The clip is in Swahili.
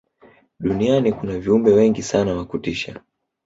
duniani kuna viumbe wengi sana wa kutisha